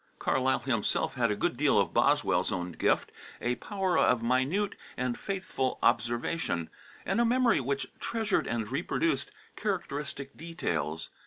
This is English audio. Carlyle himself had a good deal of Boswell's own gift, a power of minute and faithful observation, and a memory which treasured and reproduced characteristic details.